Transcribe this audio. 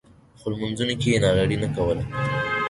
خو لمونځونو کې یې ناغېړي نه کوله.